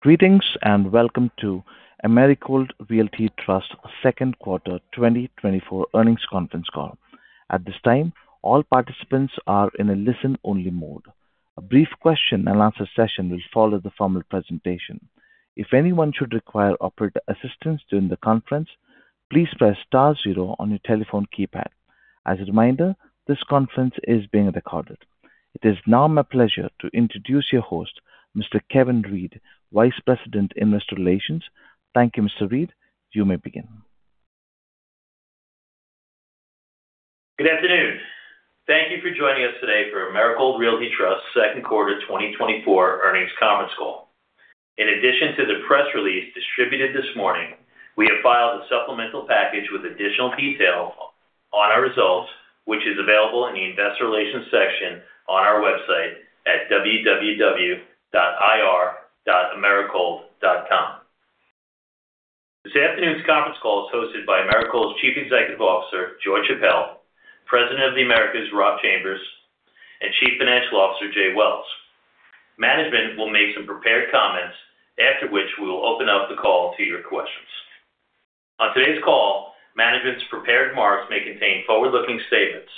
Greetings, and welcome to Americold Realty Trust second quarter 2024 earnings conference call. At this time, all participants are in a listen-only mode. A brief question and answer session will follow the formal presentation. If anyone should require operator assistance during the conference, please press star zero on your telephone keypad. As a reminder, this conference is being recorded. It is now my pleasure to introduce your host, Mr. Kevin Reed, Vice President, Investor Relations. Thank you, Mr. Reed. You may begin. Good afternoon. Thank you for joining us today for Americold Realty Trust second quarter 2024 earnings conference call. In addition to the press release distributed this morning, we have filed a supplemental package with additional detail on our results, which is available in the Investor Relations section on our website at www.ir.americold.com. This afternoon's conference call is hosted by Americold's Chief Executive Officer, George Chappelle, President of the Americas, Rob Chambers, and Chief Financial Officer, Jay Wells. Management will make some prepared comments, after which we will open up the call to your questions. On today's call, management's prepared remarks may contain forward-looking statements.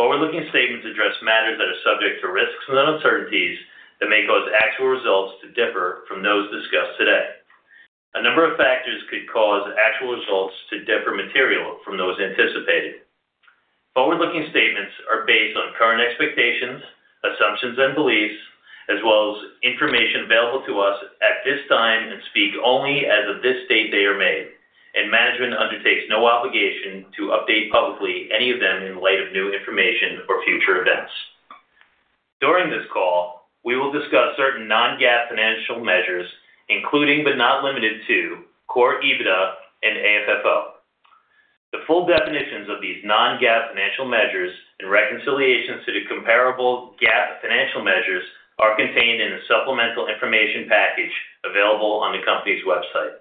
Forward-looking statements address matters that are subject to risks and uncertainties that may cause actual results to differ from those discussed today. A number of factors could cause actual results to differ materially from those anticipated. Forward-looking statements are based on current expectations, assumptions, and beliefs, as well as information available to us at this time and speak only as of the date they are made, and management undertakes no obligation to update publicly any of them in light of new information or future events. During this call, we will discuss certain non-GAAP financial measures, including but not limited to, Core EBITDA and AFFO. The full definitions of these non-GAAP financial measures and reconciliations to the comparable GAAP financial measures are contained in the supplemental information package available on the company's website.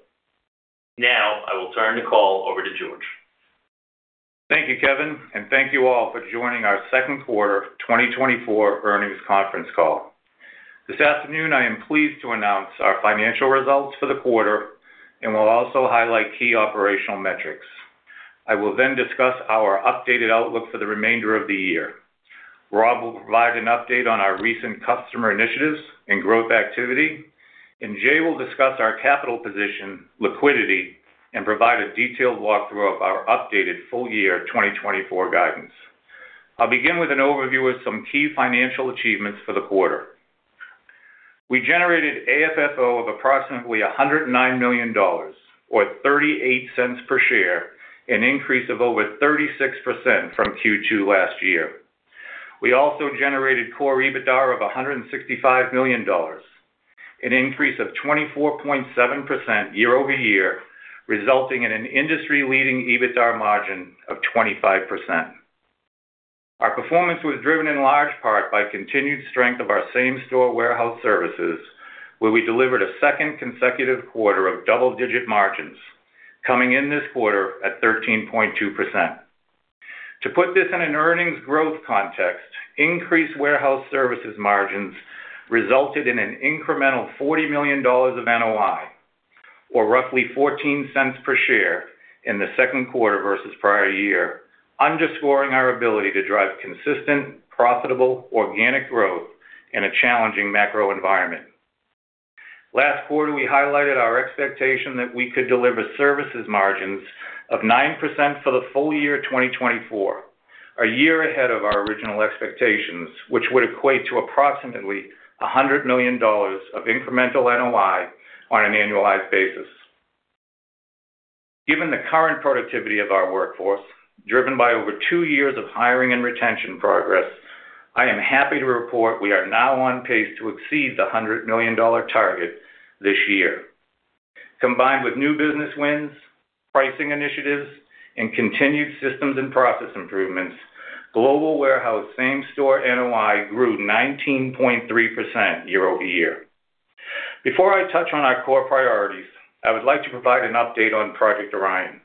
Now, I will turn the call over to George. Thank you, Kevin, and thank you all for joining our second quarter 2024 earnings conference call. This afternoon, I am pleased to announce our financial results for the quarter, and we'll also highlight key operational metrics. I will then discuss our updated outlook for the remainder of the year. Rob will provide an update on our recent customer initiatives and growth activity, and Jay will discuss our capital position, liquidity, and provide a detailed walkthrough of our updated full year 2024 guidance. I'll begin with an overview of some key financial achievements for the quarter. We generated AFFO of approximately $109 million, or $0.38 per share, an increase of over 36% from Q2 last year. We also generated Core EBITDA of $165 million, an increase of 24.7% year-over-year, resulting in an industry-leading EBITDA margin of 25%. Our performance was driven in large part by continued strength of our same-store warehouse services, where we delivered a second consecutive quarter of double-digit margins, coming in this quarter at 13.2%. To put this in an earnings growth context, increased warehouse services margins resulted in an incremental $40 million of NOI, or roughly $0.14 per share in the second quarter versus prior year, underscoring our ability to drive consistent, profitable, organic growth in a challenging macro environment. Last quarter, we highlighted our expectation that we could deliver services margins of 9% for the full year 2024, a year ahead of our original expectations, which would equate to approximately $100 million of incremental NOI on an annualized basis. Given the current productivity of our workforce, driven by over 2 years of hiring and retention progress, I am happy to report we are now on pace to exceed the $100 million target this year. Combined with new business wins, pricing initiatives, and continued systems and process improvements, global warehouse same-store NOI grew 19.3% year-over-year. Before I touch on our core priorities, I would like to provide an update on Project Orion.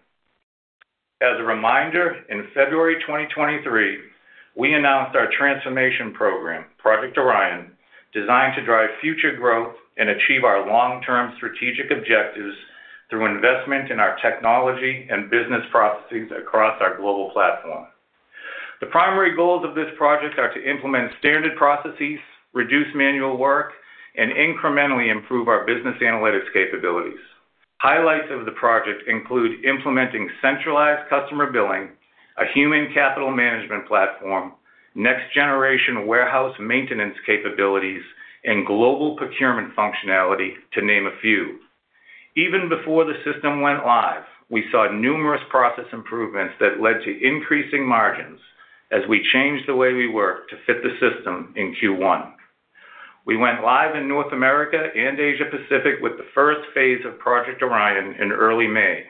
As a reminder, in February 2023, we announced our transformation program, Project Orion, designed to drive future growth and achieve our long-term strategic objectives through investment in our technology and business processes across our global platform. The primary goals of this project are to implement standard processes, reduce manual work, and incrementally improve our business analytics capabilities. Highlights of the project include implementing centralized customer billing, a human capital management platform, next-generation warehouse maintenance capabilities, and global procurement functionality, to name a few. Even before the system went live, we saw numerous process improvements that led to increasing margins as we changed the way we work to fit the system in Q1. We went live in North America and Asia Pacific with the first phase of Project Orion in early May,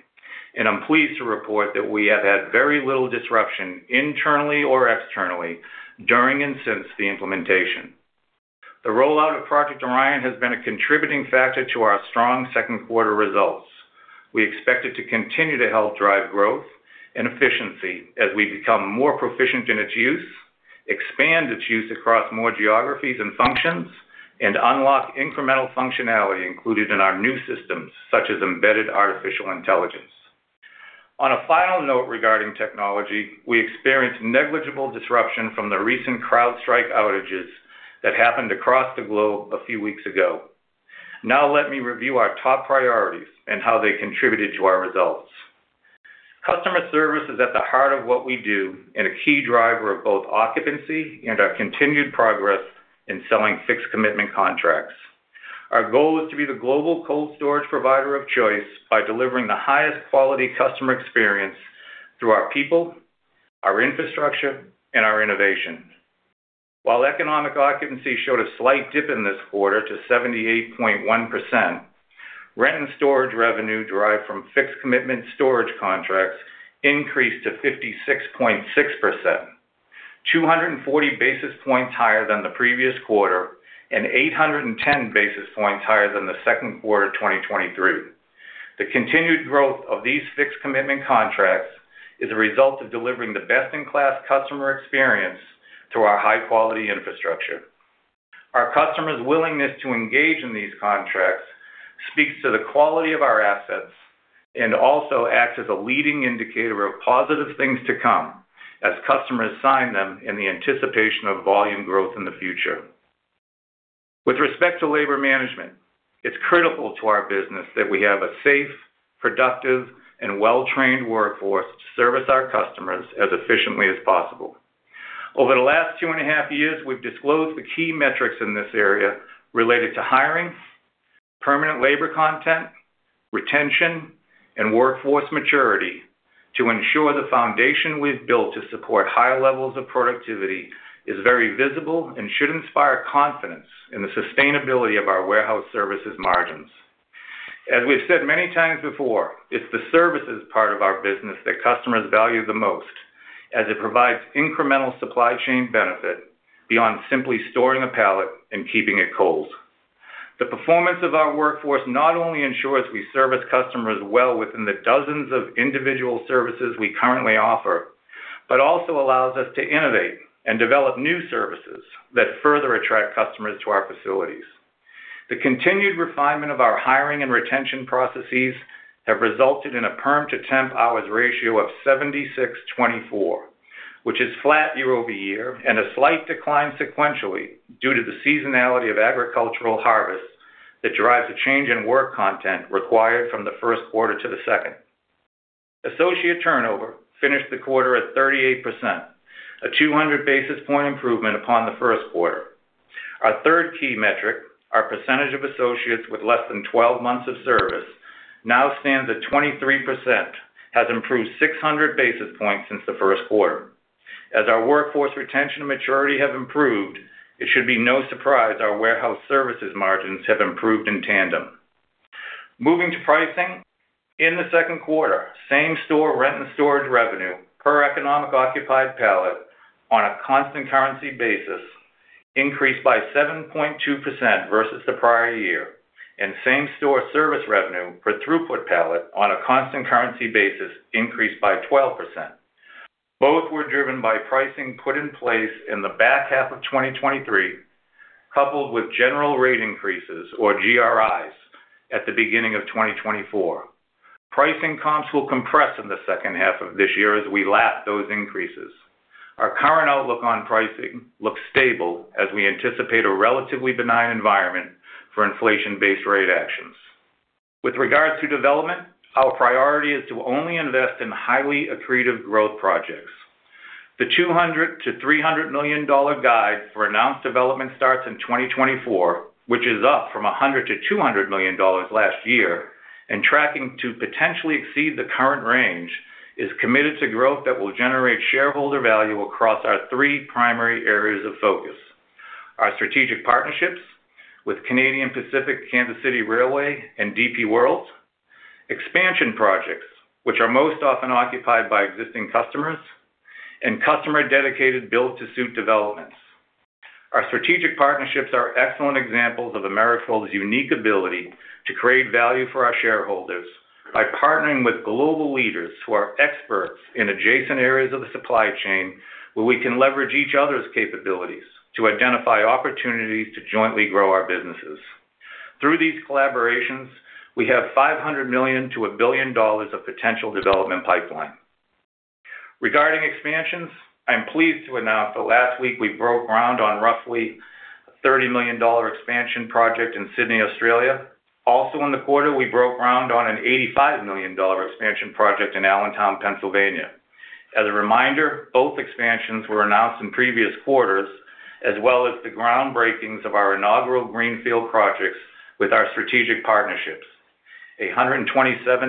and I'm pleased to report that we have had very little disruption, internally or externally, during and since the implementation. The rollout of Project Orion has been a contributing factor to our strong second quarter results. We expect it to continue to help drive growth and efficiency as we become more proficient in its use, expand its use across more geographies and functions, and unlock incremental functionality included in our new systems, such as embedded artificial intelligence. On a final note regarding technology, we experienced negligible disruption from the recent CrowdStrike outages that happened across the globe a few weeks ago. Now let me review our top priorities and how they contributed to our results. Customer service is at the heart of what we do and a key driver of both occupancy and our continued progress in selling fixed commitment contracts. Our goal is to be the global cold storage provider of choice by delivering the highest quality customer experience through our people, our infrastructure, and our innovations. While economic occupancy showed a slight dip in this quarter to 78.1%, rent and storage revenue derived from fixed commitment storage contracts increased to 56.6%, 240 basis points higher than the previous quarter and 810 basis points higher than the second quarter of 2023. The continued growth of these fixed commitment contracts is a result of delivering the best-in-class customer experience through our high-quality infrastructure. Our customers' willingness to engage in these contracts speaks to the quality of our assets and also acts as a leading indicator of positive things to come as customers sign them in the anticipation of volume growth in the future. With respect to labor management, it's critical to our business that we have a safe, productive, and well-trained workforce to service our customers as efficiently as possible. Over the last two and a half years, we've disclosed the key metrics in this area related to hiring, permanent labor content, retention, and workforce maturity to ensure the foundation we've built to support higher levels of productivity is very visible and should inspire confidence in the sustainability of our warehouse services margins. As we've said many times before, it's the services part of our business that customers value the most, as it provides incremental supply chain benefit beyond simply storing a pallet and keeping it cold. The performance of our workforce not only ensures we service customers well within the dozens of individual services we currently offer, but also allows us to innovate and develop new services that further attract customers to our facilities. The continued refinement of our hiring and retention processes have resulted in a perm to temp hours ratio of 76/24, which is flat year-over-year and a slight decline sequentially due to the seasonality of agricultural harvests that drives a change in work content required from the first quarter to the second. Associate turnover finished the quarter at 38%, a 200 basis point improvement upon the first quarter. Our third key metric, our percentage of associates with less than 12 months of service, now stands at 23%, has improved 600 basis points since the first quarter. As our workforce retention and maturity have improved, it should be no surprise our warehouse services margins have improved in tandem. Moving to pricing. In the second quarter, same-store rent and storage revenue per economic occupied pallet on a constant currency basis increased by 7.2% versus the prior year, and same-store service revenue per throughput pallet on a constant currency basis increased by 12%. Both were driven by pricing put in place in the back half of 2023, coupled with general rate increases, or GRIs, at the beginning of 2024. Pricing comps will compress in the second half of this year as we lap those increases. Our current outlook on pricing looks stable as we anticipate a relatively benign environment for inflation-based rate actions. With regards to development, our priority is to only invest in highly accretive growth projects. The $200 million-$300 million guide for announced development starts in 2024, which is up from $100 million-$200 million last year, and tracking to potentially exceed the current range, is committed to growth that will generate shareholder value across our three primary areas of focus. Our strategic partnerships with Canadian Pacific Kansas City and DP World. Expansion projects, which are most often occupied by existing customers, and customer-dedicated build-to-suit developments. Our strategic partnerships are excellent examples of Americold's unique ability to create value for our shareholders by partnering with global leaders who are experts in adjacent areas of the supply chain, where we can leverage each other's capabilities to identify opportunities to jointly grow our businesses. Through these collaborations, we have $500 million-$1 billion of potential development pipeline. Regarding expansions, I'm pleased to announce that last week we broke ground on roughly a $30 million expansion project in Sydney, Australia. Also in the quarter, we broke ground on an $85 million expansion project in Allentown, Pennsylvania. As a reminder, both expansions were announced in previous quarters, as well as the groundbreakings of our inaugural greenfield projects with our strategic partnerships: a $127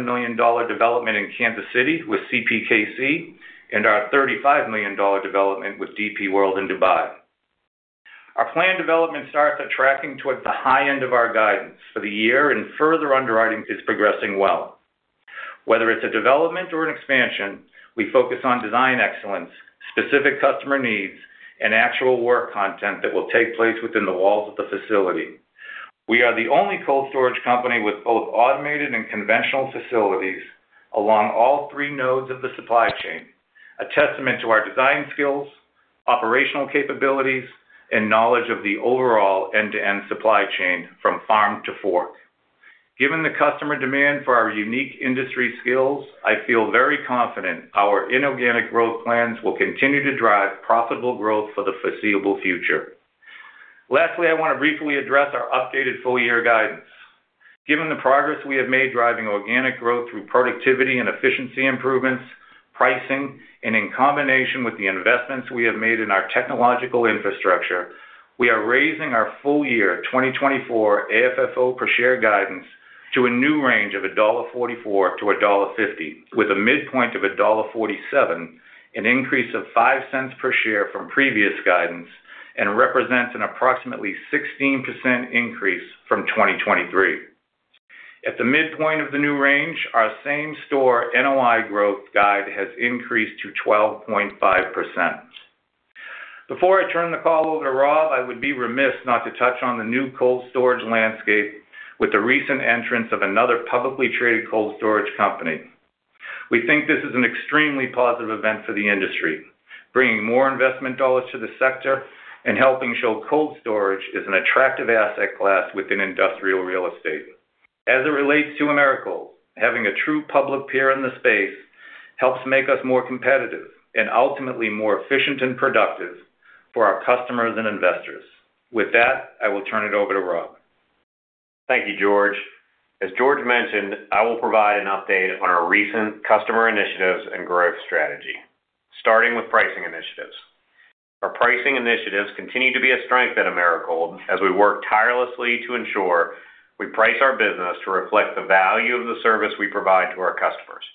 million development in Kansas City with CPKC and our $35 million development with DP World in Dubai. Our planned development starts are tracking towards the high end of our guidance for the year, and further underwriting is progressing well… Whether it's a development or an expansion, we focus on design excellence, specific customer needs, and actual work content that will take place within the walls of the facility. We are the only cold storage company with both automated and conventional facilities along all three nodes of the supply chain, a testament to our design skills, operational capabilities, and knowledge of the overall end-to-end supply chain from farm to fork. Given the customer demand for our unique industry skills, I feel very confident our inorganic growth plans will continue to drive profitable growth for the foreseeable future. Lastly, I want to briefly address our updated full year guidance. Given the progress we have made driving organic growth through productivity and efficiency improvements, pricing, and in combination with the investments we have made in our technological infrastructure, we are raising our full year 2024 AFFO per share guidance to a new range of $1.44-$1.50, with a midpoint of $1.47, an increase of $0.05 per share from previous guidance and represents an approximately 16% increase from 2023. At the midpoint of the new range, our same-store NOI growth guide has increased to 12.5%. Before I turn the call over to Rob, I would be remiss not to touch on the new cold storage landscape with the recent entrance of another publicly traded cold storage company. We think this is an extremely positive event for the industry, bringing more investment dollars to the sector and helping show cold storage is an attractive asset class within industrial real estate. As it relates to Americold, having a true public peer in the space helps make us more competitive and ultimately more efficient and productive for our customers and investors. With that, I will turn it over to Rob. Thank you, George. As George mentioned, I will provide an update on our recent customer initiatives and growth strategy, starting with pricing initiatives. Our pricing initiatives continue to be a strength at Americold as we work tirelessly to ensure we price our business to reflect the value of the service we provide to our customers.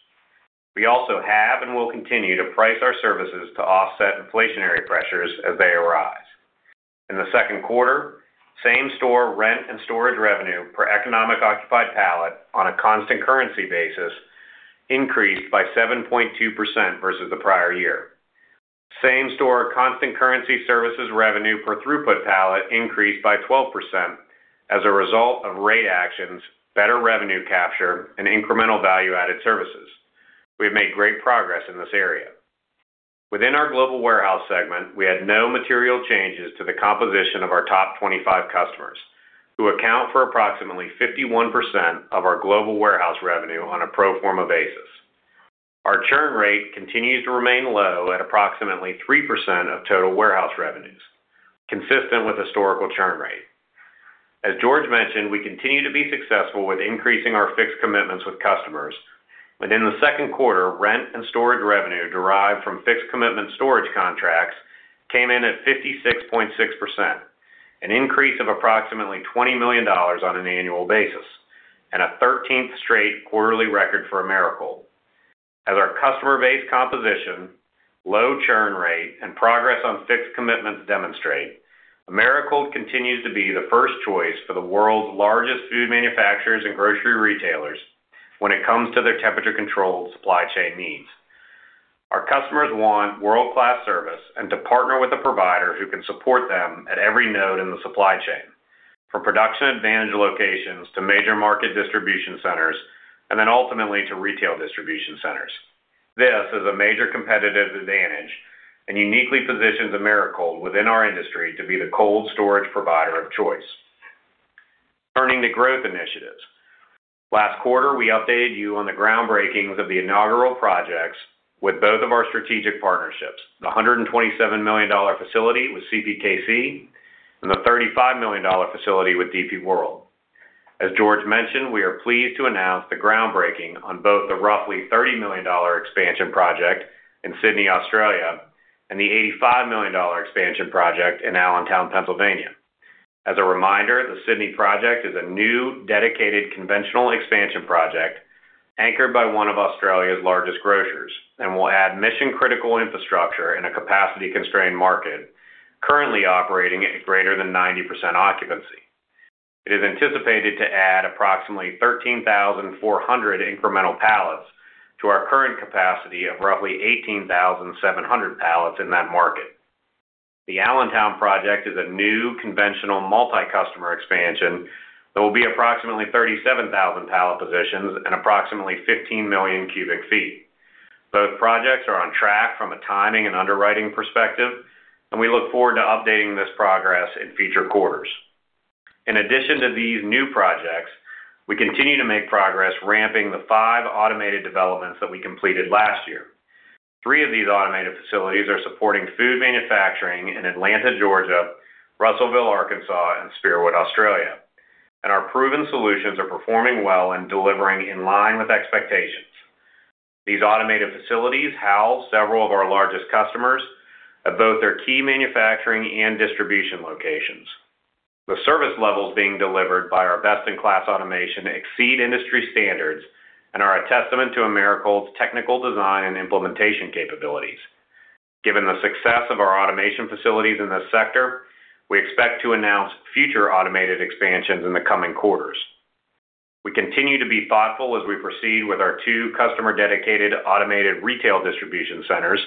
We also have and will continue to price our services to offset inflationary pressures as they arise. In the second quarter, same-store rent and storage revenue per economic occupied pallet on a constant currency basis increased by 7.2% versus the prior year. Same-store constant currency services revenue per throughput pallet increased by 12% as a result of rate actions, better revenue capture, and incremental value-added services. We have made great progress in this area. Within our global warehouse segment, we had no material changes to the composition of our top 25 customers, who account for approximately 51% of our global warehouse revenue on a pro forma basis. Our churn rate continues to remain low at approximately 3% of total warehouse revenues, consistent with historical churn rate. As George mentioned, we continue to be successful with increasing our fixed commitments with customers. Within the second quarter, rent and storage revenue derived from fixed commitment storage contracts came in at 56.6%, an increase of approximately $20 million on an annual basis and a 13th straight quarterly record for Americold. As our customer base composition, low churn rate, and progress on fixed commitments demonstrate, Americold continues to be the first choice for the world's largest food manufacturers and grocery retailers when it comes to their temperature-controlled supply chain needs. Our customers want world-class service and to partner with a provider who can support them at every node in the supply chain, from production advantage locations to major market distribution centers, and then ultimately to retail distribution centers. This is a major competitive advantage and uniquely positions Americold within our industry to be the cold storage provider of choice. Turning to growth initiatives. Last quarter, we updated you on the groundbreakings of the inaugural projects with both of our strategic partnerships, the $127 million facility with CPKC and the $35 million facility with DP World. As George mentioned, we are pleased to announce the groundbreaking on both the roughly $30 million expansion project in Sydney, Australia, and the $85 million expansion project in Allentown, Pennsylvania. As a reminder, the Sydney project is a new, dedicated conventional expansion project anchored by one of Australia's largest grocers and will add mission-critical infrastructure in a capacity-constrained market, currently operating at greater than 90% occupancy. It is anticipated to add approximately 13,400 incremental pallets to our current capacity of roughly 18,700 pallets in that market. The Allentown project is a new conventional multi-customer expansion that will be approximately 37,000 pallet positions and approximately 15 million cubic feet. Both projects are on track from a timing and underwriting perspective, and we look forward to updating this progress in future quarters. In addition to these new projects, we continue to make progress ramping the five automated developments that we completed last year. Three of these automated facilities are supporting food manufacturing in Atlanta, Georgia, Russellville, Arkansas, and Spearwood, Australia, and our proven solutions are performing well and delivering in line with expectations. These automated facilities house several of our largest customers at both their key manufacturing and distribution locations. The service levels being delivered by our best-in-class automation exceed industry standards and are a testament to Americold's technical design and implementation capabilities.... Given the success of our automation facilities in this sector, we expect to announce future automated expansions in the coming quarters. We continue to be thoughtful as we proceed with our two customer-dedicated automated retail distribution centers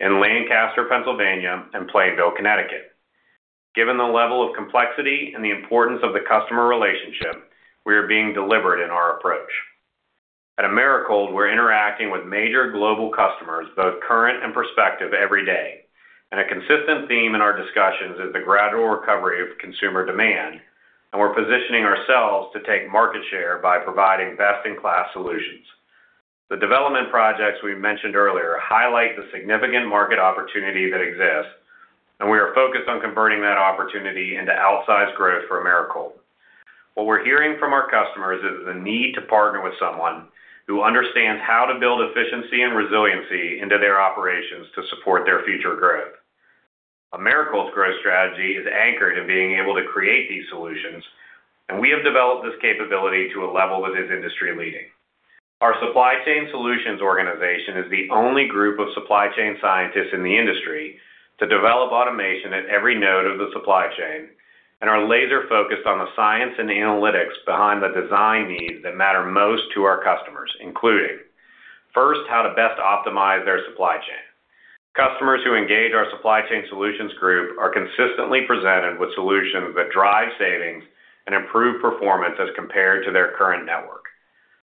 in Lancaster, Pennsylvania, and Plainville, Connecticut. Given the level of complexity and the importance of the customer relationship, we are being deliberate in our approach. At Americold, we're interacting with major global customers, both current and prospective, every day, and a consistent theme in our discussions is the gradual recovery of consumer demand, and we're positioning ourselves to take market share by providing best-in-class solutions. The development projects we mentioned earlier highlight the significant market opportunity that exists, and we are focused on converting that opportunity into outsized growth for Americold. What we're hearing from our customers is the need to partner with someone who understands how to build efficiency and resiliency into their operations to support their future growth. Americold's growth strategy is anchored in being able to create these solutions, and we have developed this capability to a level that is industry-leading. Our Supply Chain Solutions organization is the only group of supply chain scientists in the industry to develop automation at every node of the supply chain, and are laser-focused on the science and analytics behind the design needs that matter most to our customers, including, first, how to best optimize their supply chain. Customers who engage our Supply Chain Solutions group are consistently presented with solutions that drive savings and improve performance as compared to their current network.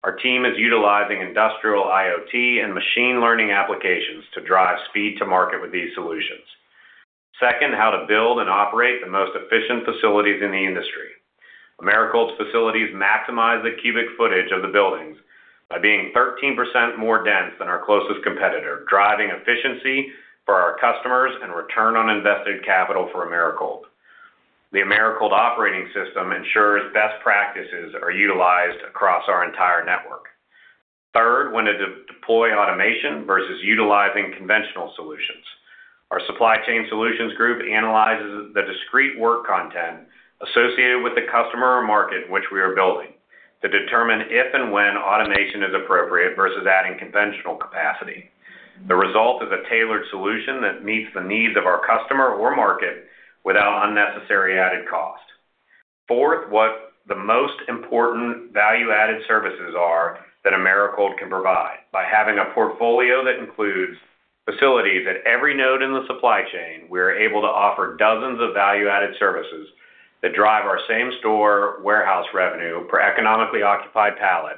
Our team is utilizing industrial IoT and machine learning applications to drive speed to market with these solutions. Second, how to build and operate the most efficient facilities in the industry. Americold's facilities maximize the cubic footage of the buildings by being 13% more dense than our closest competitor, driving efficiency for our customers and return on invested capital for Americold. The Americold Operating System ensures best practices are utilized across our entire network. Third, when to de- deploy automation versus utilizing conventional solutions. Our Supply Chain Solutions group analyzes the discrete work content associated with the customer or market in which we are building, to determine if and when automation is appropriate versus adding conventional capacity. The result is a tailored solution that meets the needs of our customer or market without unnecessary added cost. Fourth, what the most important value-added services are that Americold can provide. By having a portfolio that includes facilities at every node in the supply chain, we are able to offer dozens of value-added services that drive our same-store warehouse revenue per economically occupied pallet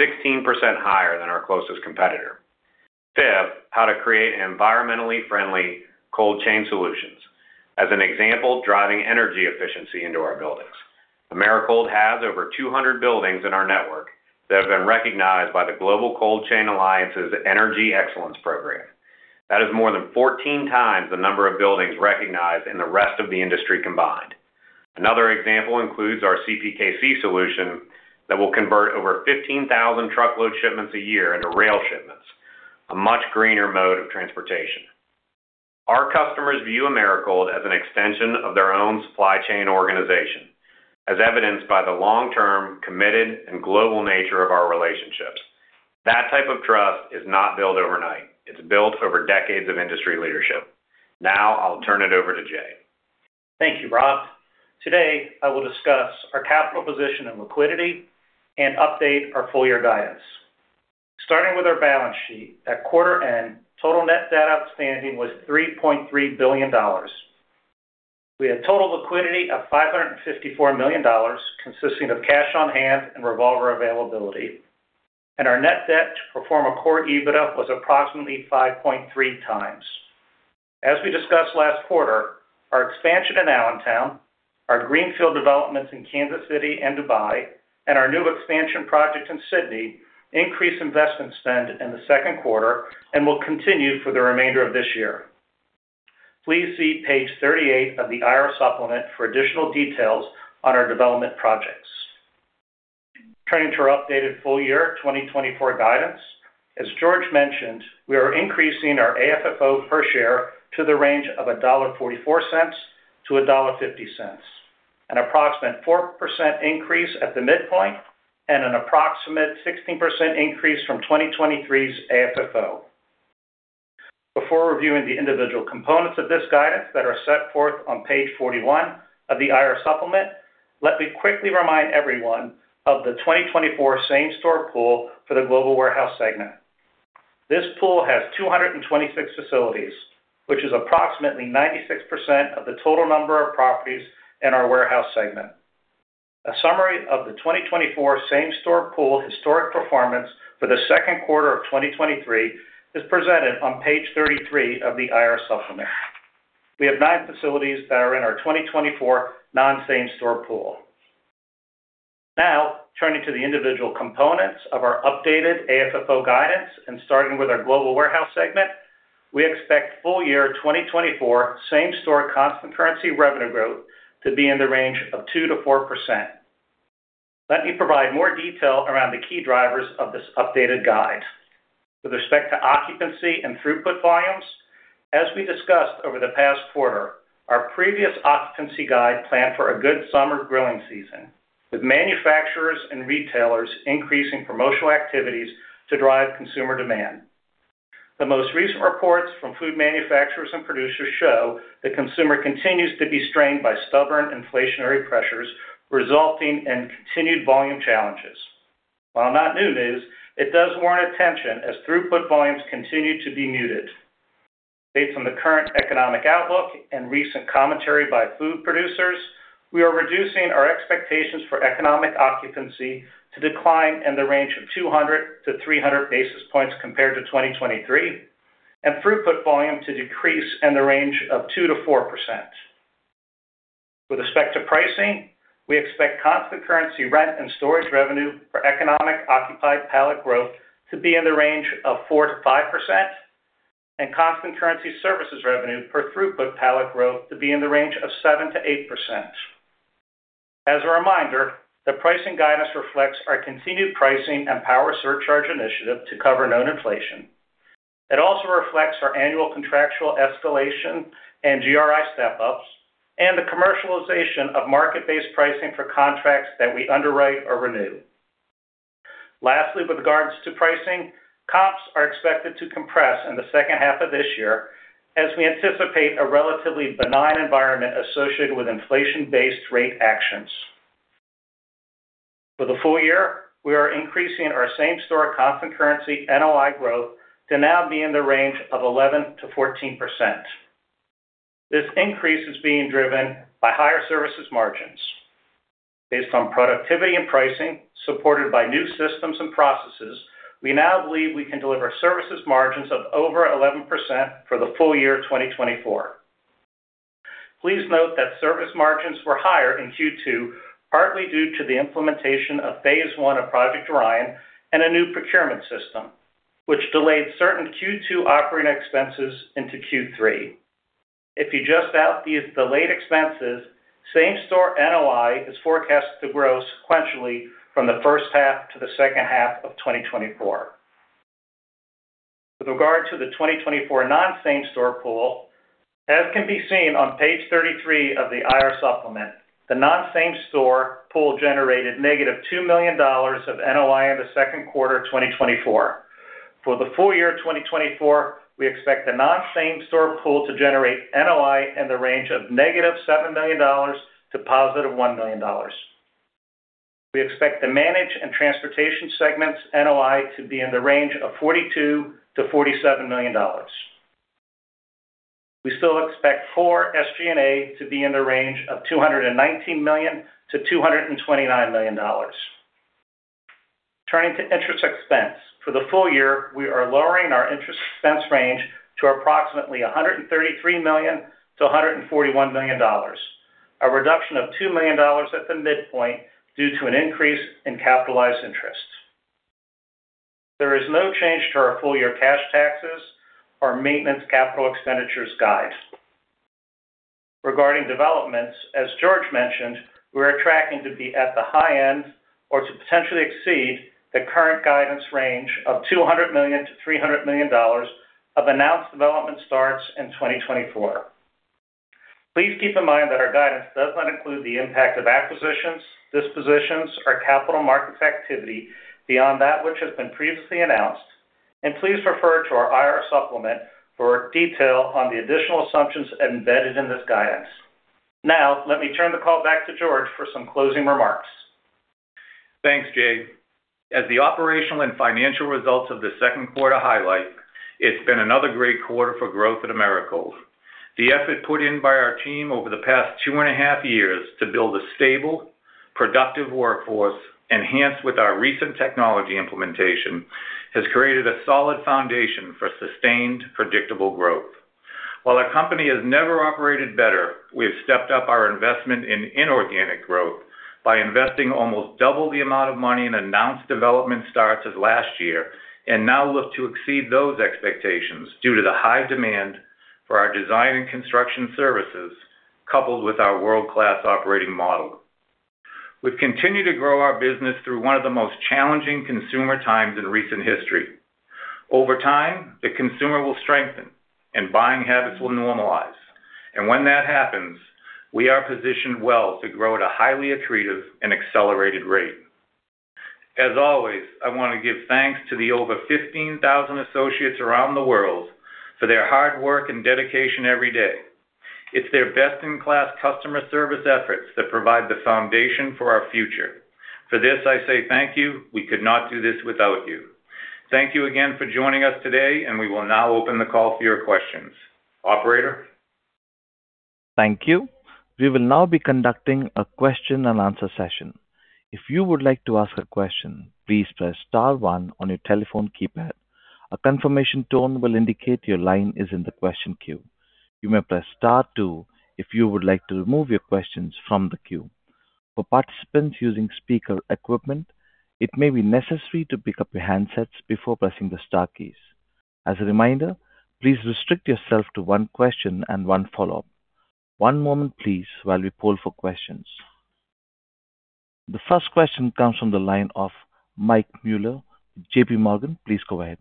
16% higher than our closest competitor. Fifth, how to create environmentally friendly cold chain solutions. As an example, driving energy efficiency into our buildings. Americold has over 200 buildings in our network that have been recognized by the Global Cold Chain Alliance's Energy Excellence program. That is more than 14 times the number of buildings recognized in the rest of the industry combined. Another example includes our CPKC solution that will convert over 15,000 truckload shipments a year into rail shipments, a much greener mode of transportation. Our customers view Americold as an extension of their own supply chain organization, as evidenced by the long-term, committed, and global nature of our relationships. That type of trust is not built overnight. It's built over decades of industry leadership. Now, I'll turn it over to Jay. Thank you, Rob. Today, I will discuss our capital position and liquidity, and update our full year guidance. Starting with our balance sheet, at quarter end, total net debt outstanding was $3.3 billion. We had total liquidity of $554 million, consisting of cash on hand and revolver availability, and our net debt to pro forma Core EBITDA was approximately 5.3 times. As we discussed last quarter, our expansion in Allentown, our greenfield developments in Kansas City and Dubai, and our new expansion project in Sydney, increased investment spend in the second quarter and will continue for the remainder of this year. Please see page 38 of the IR supplement for additional details on our development projects. Turning to our updated full year 2024 guidance. As George mentioned, we are increasing our AFFO per share to the range of $1.44-$1.50, an approximate 4% increase at the midpoint, and an approximate 16% increase from 2023's AFFO. Before reviewing the individual components of this guidance that are set forth on page 41 of the IR supplement, let me quickly remind everyone of the 2024 same-store pool for the Global Warehouse segment. This pool has 226 facilities, which is approximately 96% of the total number of properties in our warehouse segment. A summary of the 2024 same-store pool historic performance for the second quarter of 2023 is presented on page 33 of the IR supplement. We have nine facilities that are in our 2024 non-same store pool. Now, turning to the individual components of our updated AFFO guidance, and starting with our Global Warehouse segment, we expect full year 2024 same-store constant currency revenue growth to be in the range of 2%-4%. Let me provide more detail around the key drivers of this updated guide. With respect to occupancy and throughput volumes, as we discussed over the past quarter, our previous occupancy guide planned for a good summer grilling season.... With manufacturers and retailers increasing promotional activities to drive consumer demand. The most recent reports from food manufacturers and producers show that consumer continues to be strained by stubborn inflationary pressures, resulting in continued volume challenges. While not new news, it does warrant attention as throughput volumes continue to be muted. Based on the current economic outlook and recent commentary by food producers, we are reducing our expectations for economic occupancy to decline in the range of 200-300 basis points compared to 2023, and throughput volume to decrease in the range of 2%-4%. With respect to pricing, we expect constant currency rent and storage revenue for economic occupied pallet growth to be in the range of 4%-5%, and constant currency services revenue per throughput pallet growth to be in the range of 7%-8%. As a reminder, the pricing guidance reflects our continued pricing and power surcharge initiative to cover known inflation. It also reflects our annual contractual escalation and GRI step-ups, and the commercialization of market-based pricing for contracts that we underwrite or renew. Lastly, with regards to pricing, comps are expected to compress in the second half of this year, as we anticipate a relatively benign environment associated with inflation-based rate actions. For the full year, we are increasing our same-store constant currency NOI growth to now be in the range of 11%-14%. This increase is being driven by higher services margins. Based on productivity and pricing, supported by new systems and processes, we now believe we can deliver services margins of over 11% for the full year of 2024. Please note that service margins were higher in Q2, partly due to the implementation of phase one of Project Orion and a new procurement system, which delayed certain Q2 operating expenses into Q3. If you adjust out these delayed expenses, same-store NOI is forecasted to grow sequentially from the first half to the second half of 2024. With regard to the 2024 non-same store pool, as can be seen on page 33 of the IR supplement, the non-same store pool generated -$2 million of NOI in the second quarter of 2024. For the full year of 2024, we expect the non-same store pool to generate NOI in the range of -$7 million to $1 million. We expect the Managed and Transportation segments NOI to be in the range of $42 million-$47 million. We still expect Core SG&A to be in the range of $219 million-$229 million. Turning to interest expense. For the full year, we are lowering our interest expense range to approximately $133 million-$141 million, a reduction of $2 million at the midpoint due to an increase in capitalized interest. There is no change to our full year cash taxes or maintenance capital expenditures guides. Regarding developments, as George mentioned, we're tracking to be at the high end or to potentially exceed the current guidance range of $200 million-$300 million of announced development starts in 2024. Please keep in mind that our guidance does not include the impact of acquisitions, dispositions, or capital markets activity beyond that which has been previously announced, and please refer to our IR supplement for detail on the additional assumptions embedded in this guidance. Now, let me turn the call back to George for some closing remarks. Thanks, Jay. As the operational and financial results of the second quarter highlight, it's been another great quarter for growth at Americold. The effort put in by our team over the past two and a half years to build a stable, productive workforce, enhanced with our recent technology implementation, has created a solid foundation for sustained, predictable growth. While our company has never operated better, we have stepped up our investment in inorganic growth by investing almost double the amount of money in announced development starts as last year, and now look to exceed those expectations due to the high demand for our design and construction services, coupled with our world-class operating model. We've continued to grow our business through one of the most challenging consumer times in recent history. Over time, the consumer will strengthen and buying habits will normalize. When that happens, we are positioned well to grow at a highly accretive and accelerated rate. As always, I want to give thanks to the over 15,000 associates around the world for their hard work and dedication every day. It's their best-in-class customer service efforts that provide the foundation for our future. For this, I say thank you. We could not do this without you. Thank you again for joining us today, and we will now open the call for your questions. Operator? Thank you. We will now be conducting a question and answer session. If you would like to ask a question, please press star one on your telephone keypad. A confirmation tone will indicate your line is in the question queue. You may press star two if you would like to remove your questions from the queue. For participants using speaker equipment, it may be necessary to pick up your handsets before pressing the star keys. As a reminder, please restrict yourself to one question and one follow-up. One moment, please, while we poll for questions. The first question comes from the line of Mike Mueller, JP Morgan. Please go ahead.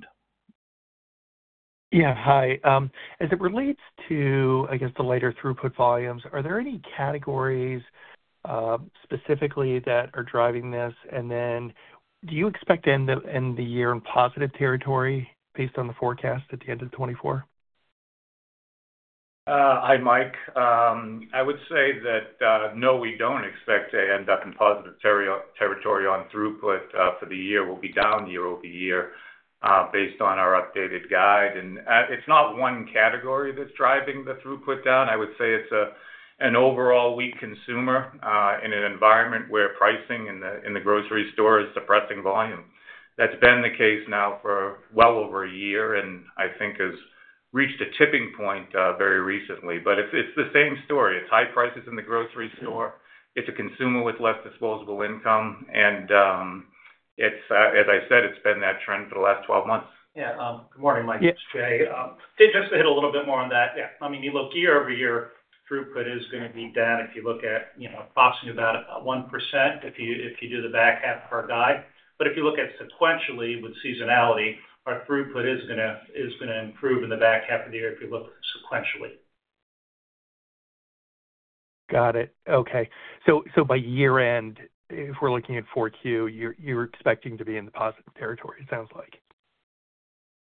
Yeah, hi. As it relates to, I guess, the lighter throughput volumes, are there any categories specifically that are driving this? And then do you expect to end the year in positive territory based on the forecast at the end of 2024? Hi, Mike. I would say that no, we don't expect to end up in positive territory on throughput for the year. We'll be down year-over-year based on our updated guide. It's not one category that's driving the throughput down. I would say it's an overall weak consumer in an environment where pricing in the grocery store is suppressing volume. That's been the case now for well over a year, and I think has reached a tipping point very recently. But it's the same story. It's high prices in the grocery store. It's a consumer with less disposable income, and as I said, it's been that trend for the last 12 months. Yeah, good morning, Mike. Yeah. Jay, just to hit a little bit more on that. Yeah. I mean, you look year-over-year, throughput is gonna be down. If you look at, you know, approximately about 1%, if you do the back half of our guide. But if you look at sequentially with seasonality, our throughput is gonna improve in the back half of the year if you look sequentially. Got it. Okay. So by year-end, if we're looking at Q4, you're expecting to be in the positive territory, it sounds like?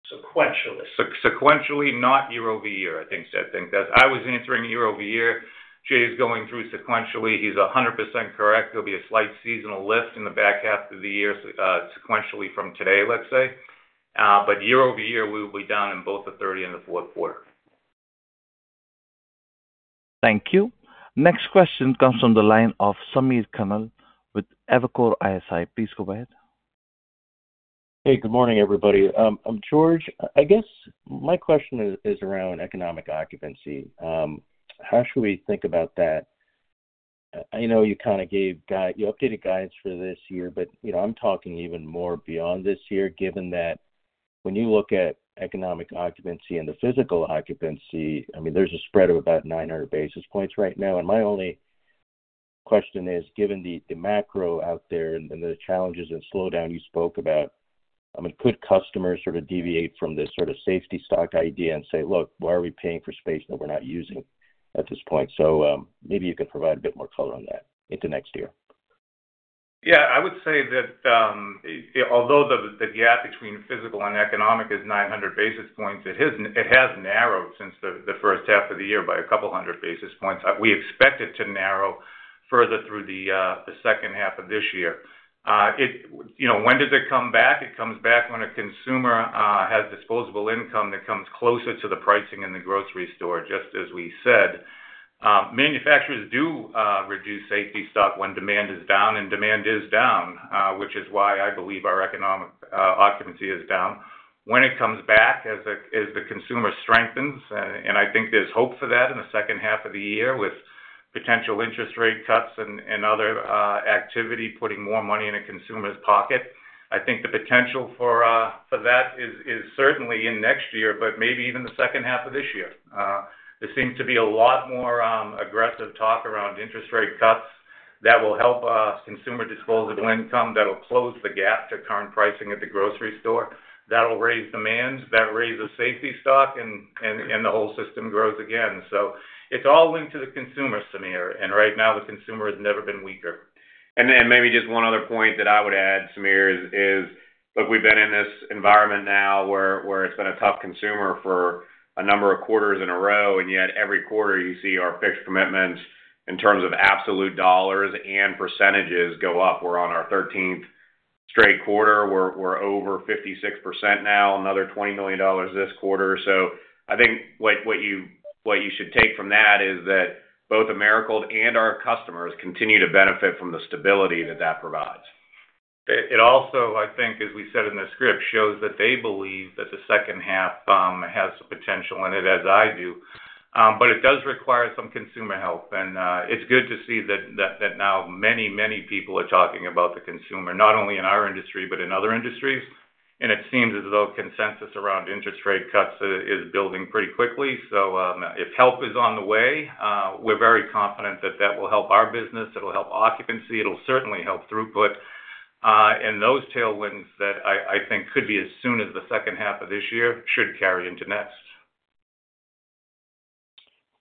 Sequentially. Sequentially, not year-over-year, I think, Jay. I think as I was answering year-over-year, Jay is going through sequentially. He's 100% correct. There'll be a slight seasonal lift in the back half of the year, sequentially from today, let's say. But year-over-year, we will be down in both the third and the fourth quarter. Thank you. Next question comes from the line of Samir Khanal with Evercore ISI. Please go ahead. Hey, good morning, everybody. George, I guess my question is around economic occupancy. How should we think about that? I know you kind of updated guidance for this year, but, you know, I'm talking even more beyond this year, given that when you look at economic occupancy and the physical occupancy, I mean, there's a spread of about 900 basis points right now. And my only question is, given the macro out there and the challenges and slowdown you spoke about, I mean, could customers sort of deviate from this sort of safety stock idea and say: "Look, why are we paying for space that we're not using at this point?" So, maybe you could provide a bit more color on that into next year. Yeah, I would say that although the gap between physical and economic is 900 basis points, it has narrowed since the first half of the year by 200 basis points. We expect it to narrow further through the second half of this year. You know, when does it come back? It comes back when a consumer has disposable income that comes closer to the pricing in the grocery store, just as we said. Manufacturers do reduce safety stock when demand is down, and demand is down, which is why I believe our economic occupancy is down. When it comes back, as the consumer strengthens, and I think there's hope for that in the second half of the year, with potential interest rate cuts and other activity, putting more money in a consumer's pocket. I think the potential for that is certainly in next year, but maybe even the second half of this year. There seems to be a lot more aggressive talk around interest rate cuts that will help consumer disposable income, that will close the gap to current pricing at the grocery store. That'll raise demands, that'll raise the safety stock, and the whole system grows again. So it's all linked to the consumer, Samir, and right now, the consumer has never been weaker. And then maybe just one other point that I would add, Samir, is, look, we've been in this environment now where it's been a tough consumer for a number of quarters in a row, and yet every quarter you see our fixed commitments in terms of absolute dollars and percentages go up. We're on our thirteenth straight quarter. We're over 56% now, another $20 million this quarter. So I think what you should take from that is that both Americold and our customers continue to benefit from the stability that that provides. It also, I think, as we said in the script, shows that they believe that the second half has some potential in it, as I do. But it does require some consumer help, and it's good to see that now many, many people are talking about the consumer, not only in our industry, but in other industries. It seems as though consensus around interest rate cuts is building pretty quickly. If help is on the way, we're very confident that that will help our business, it'll help occupancy, it'll certainly help throughput. And those tailwinds that I think could be as soon as the second half of this year, should carry into next.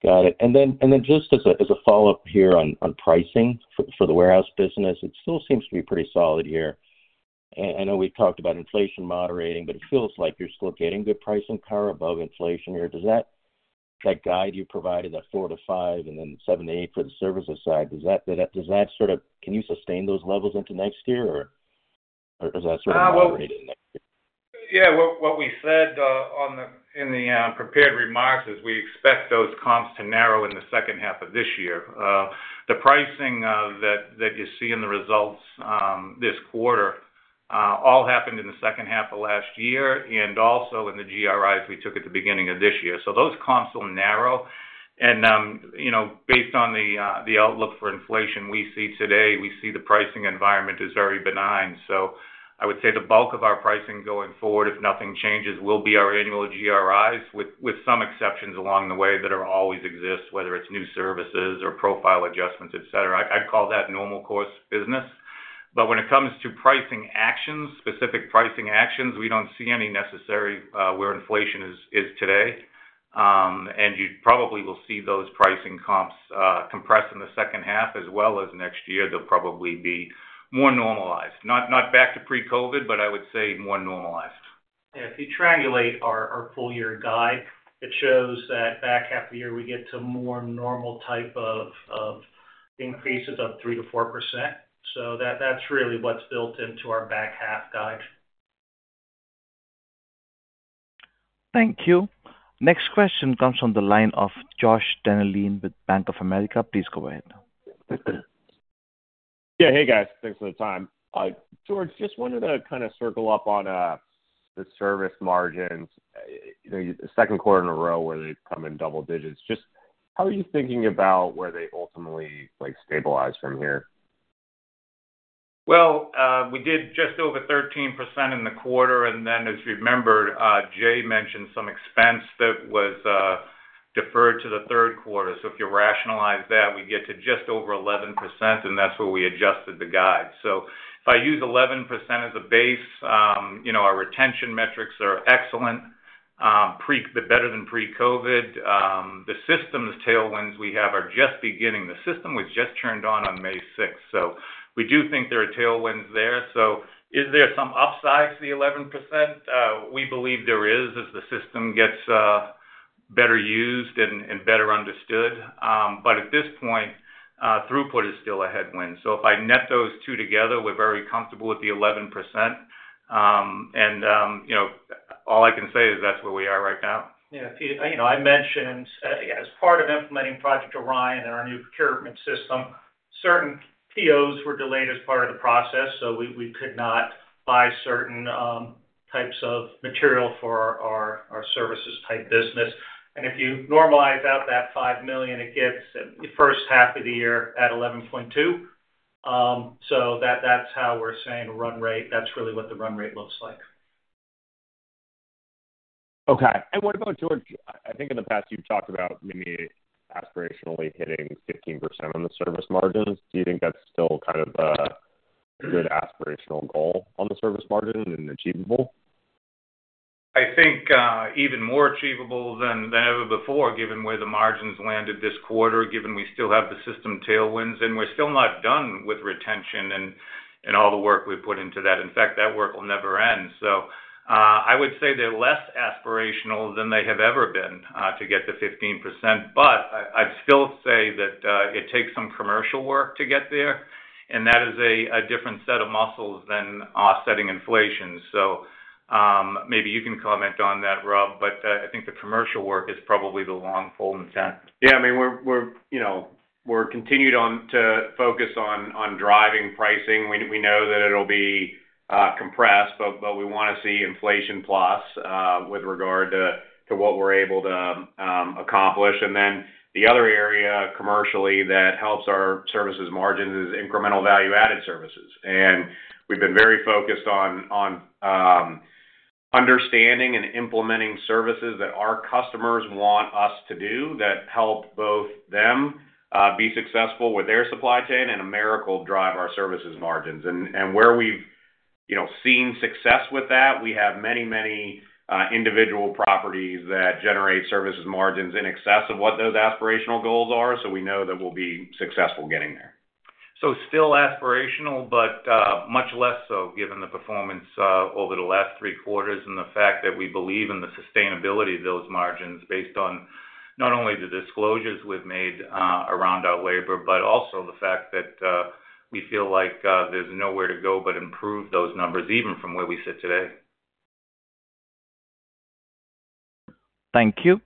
Got it. And then just as a follow-up here on pricing for the warehouse business, it still seems to be pretty solid here. I know we've talked about inflation moderating, but it feels like you're still getting good pricing power above inflation here. Does that, like, guide you provided that 4-5 and then 7-8 for the services side, does that sort of... Can you sustain those levels into next year, or does that sort of moderate next year? Yeah. What we said in the prepared remarks is we expect those comps to narrow in the second half of this year. The pricing that you see in the results this quarter all happened in the second half of last year and also in the GRIs we took at the beginning of this year. So those comps will narrow. And you know based on the outlook for inflation we see today, we see the pricing environment is very benign. So I would say the bulk of our pricing going forward, if nothing changes, will be our annual GRIs, with some exceptions along the way that are always exist, whether it's new services or profile adjustments, et cetera. I'd call that normal course business. But when it comes to pricing actions, specific pricing actions, we don't see any necessary where inflation is today. And you probably will see those pricing comps compress in the second half as well as next year. They'll probably be more normalized, not back to pre-COVID, but I would say more normalized. Yeah, if you triangulate our full year guide, it shows that back half of the year, we get to more normal type of increases of 3%-4%. So that's really what's built into our back half guide. Thank you. Next question comes from the line of Josh Dennerlein with Bank of America. Please go ahead. Yeah. Hey, guys. Thanks for the time. George, just wanted to kind of circle up on the service margins. You know, the second quarter in a row where they've come in double digits. Just how are you thinking about where they ultimately, like, stabilize from here? Well, we did just over 13% in the quarter, and then as you remember, Jay mentioned some expense that was deferred to the third quarter. So if you rationalize that, we get to just over 11%, and that's where we adjusted the guide. So if I use 11% as a base, you know, our retention metrics are excellent, pre- they're better than pre-COVID. The systems tailwinds we have are just beginning. The system was just turned on, on May sixth, so we do think there are tailwinds there. So is there some upside to the 11%? We believe there is, as the system gets better used and better understood. But at this point, throughput is still a headwind. So if I net those two together, we're very comfortable with the 11%. You know, all I can say is that's where we are right now. Yeah, you know, I mentioned as part of implementing Project Orion and our new procurement system, certain POs were delayed as part of the process, so we, we could not buy certain types of material for our, our services type business. And if you normalize out that $5 million, it gets the first half of the year at 11.2. So that's how we're saying run rate. That's really what the run rate looks like. Okay. And what about George? I think in the past, you've talked about maybe aspirationally hitting 15% on the service margins. Do you think that's still kind of a good aspirational goal on the service margin and achievable? I think even more achievable than ever before, given where the margins landed this quarter, given we still have the system tailwinds, and we're still not done with retention and all the work we've put into that. In fact, that work will never end. So I would say they're less aspirational than they have ever been to get to 15%, but I'd still say that it takes some commercial work to get there, and that is a different set of muscles than offsetting inflation. So maybe you can comment on that, Rob, but I think the commercial work is probably the long pole in the tent. Yeah, I mean, we're, you know, we're continued on to focus on driving pricing. We know that it'll be compressed, but we wanna see inflation plus with regard to what we're able to accomplish. And then the other area commercially that helps our services margins is incremental value-added services. And we've been very focused on understanding and implementing services that our customers want us to do, that help both them be successful with their supply chain, and Americold drive our services margins. And where we've, you know, seen success with that, we have many, many individual properties that generate services margins in excess of what those aspirational goals are, so we know that we'll be successful getting there. Still aspirational, but much less so given the performance over the last three quarters and the fact that we believe in the sustainability of those margins, based on not only the disclosures we've made around our labor, but also the fact that we feel like there's nowhere to go but improve those numbers, even from where we sit today. Thank you.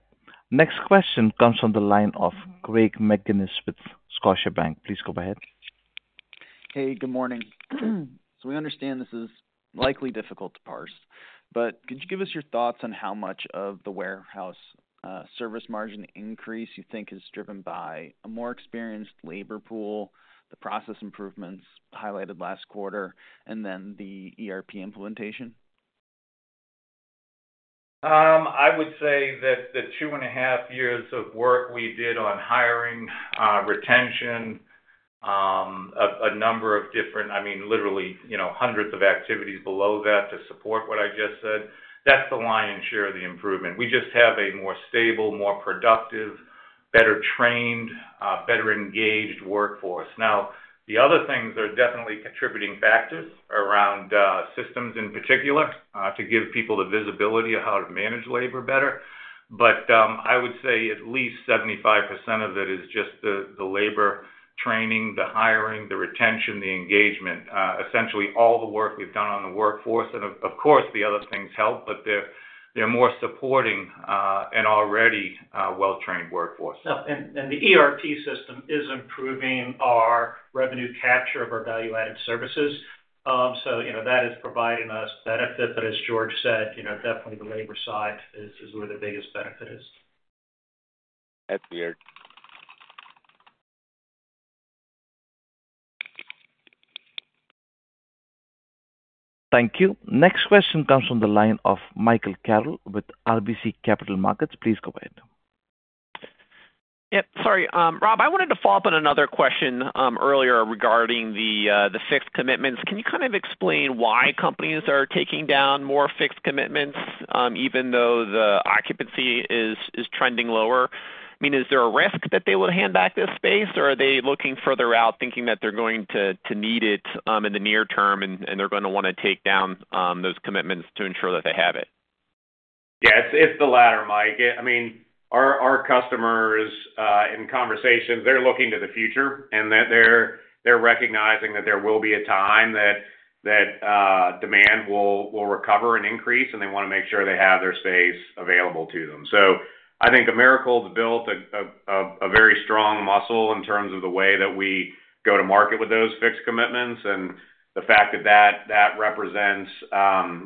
Next question comes from the line of Greg McGinniss with Scotiabank. Please go ahead. Hey, good morning. We understand this is likely difficult to parse, but could you give us your thoughts on how much of the warehouse services margin increase you think is driven by a more experienced labor pool, the process improvements highlighted last quarter, and then the ERP implementation? I would say that the 2.5 years of work we did on hiring, retention, I mean, literally, you know, hundreds of activities below that to support what I just said, that's the lion's share of the improvement. We just have a more stable, more productive, better trained, better engaged workforce. Now, the other things are definitely contributing factors around, systems in particular, to give people the visibility of how to manage labor better. But, I would say at least 75% of it is just the, the labor training, the hiring, the retention, the engagement, essentially all the work we've done on the workforce. And of course, the other things help, but they're more supporting, an already, well-trained workforce. Yeah, and the ERP system is improving our revenue capture of our value-added services. So you know, that is providing us benefit, but as George said, you know, definitely the labor side is where the biggest benefit is. That's clear. Thank you. Next question comes from the line of Michael Carroll with RBC Capital Markets. Please go ahead. Yep, sorry. Rob, I wanted to follow up on another question earlier regarding the fixed commitments. Can you kind of explain why companies are taking down more fixed commitments even though the occupancy is trending lower? I mean, is there a risk that they will hand back this space, or are they looking further out, thinking that they're going to need it in the near term, and they're gonna wanna take down those commitments to ensure that they have it? Yeah, it's the latter, Mike. I mean, our customers in conversations, they're looking to the future, and they're recognizing that there will be a time that demand will recover and increase, and they wanna make sure they have their space available to them. So I think Americold's built a very strong muscle in terms of the way that we go to market with those fixed commitments and the fact that that represents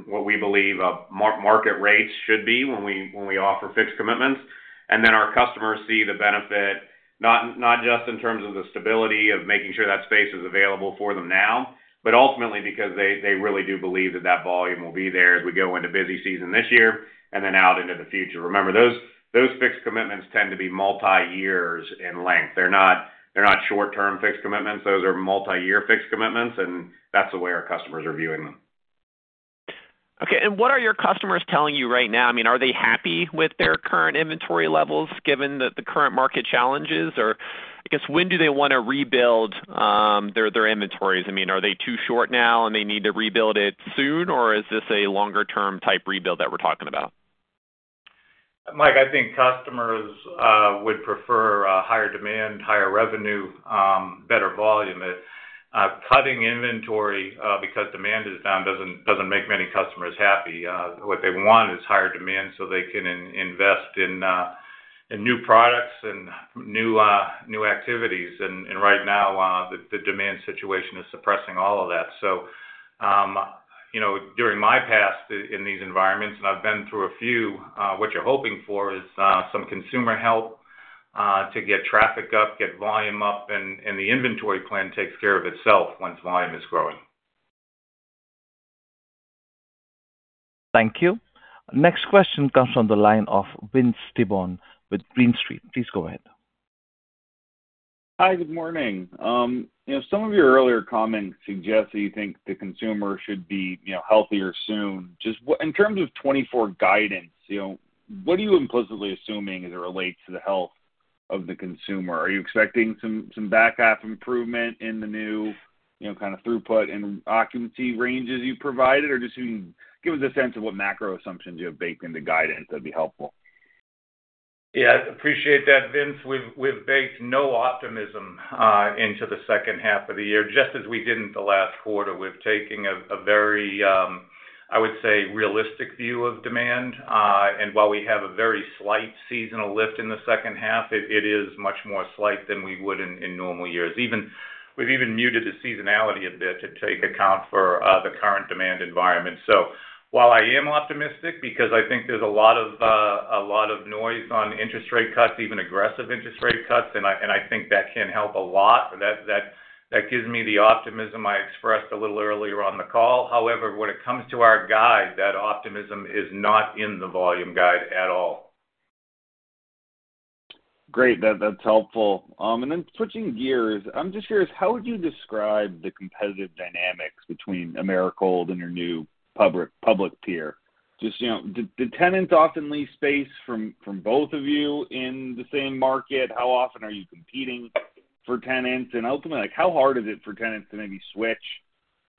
what we believe market rates should be when we offer fixed commitments. And then our customers see the benefit, not, not just in terms of the stability of making sure that space is available for them now, but ultimately because they, they really do believe that that volume will be there as we go into busy season this year and then out into the future. Remember, those, those fixed commitments tend to be multi-years in length. They're not, they're not short-term fixed commitments. Those are multi-year fixed commitments, and that's the way our customers are viewing them. Okay, and what are your customers telling you right now? I mean, are they happy with their current inventory levels, given the current market challenges? Or, I guess, when do they wanna rebuild their inventories? I mean, are they too short now, and they need to rebuild it soon, or is this a longer term type rebuild that we're talking about? Mike, I think customers would prefer higher demand, higher revenue, better volume. Cutting inventory because demand is down doesn't make many customers happy. What they want is higher demand so they can invest in new products and new activities. And right now the demand situation is suppressing all of that. So you know, during my past in these environments, and I've been through a few, what you're hoping for is some consumer help to get traffic up, get volume up, and the inventory plan takes care of itself once volume is growing. Thank you. Next question comes from the line of Vince Tibone with Green Street. Please go ahead. Hi, good morning. You know, some of your earlier comments suggest that you think the consumer should be, you know, healthier soon. Just what-- In terms of 2024 guidance, you know, what are you implicitly assuming as it relates to the health of the consumer? Are you expecting some back half improvement in the new, you know, kind of throughput and occupancy ranges you provided, or just who... Give us a sense of what macro assumptions you have baked into guidance, that'd be helpful. Yeah, I appreciate that, Vince. We've baked no optimism into the second half of the year, just as we did in the last quarter. We've taken a very, I would say, realistic view of demand. And while we have a very slight seasonal lift in the second half, it is much more slight than we would in normal years. We've even muted the seasonality a bit to take account for the current demand environment. So while I am optimistic, because I think there's a lot of noise on interest rate cuts, even aggressive interest rate cuts, and I think that can help a lot, that gives me the optimism I expressed a little earlier on the call. However, when it comes to our guide, that optimism is not in the volume guide at all. Great, that, that's helpful. And then switching gears, I'm just curious, how would you describe the competitive dynamics between Americold and your new public peer? Just, you know, do tenants often lease space from both of you in the same market? How often are you competing for tenants? And ultimately, like, how hard is it for tenants to maybe switch